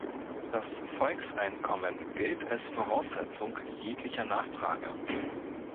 Das Volkseinkommen gilt als Voraussetzung jeglicher Nachfrage.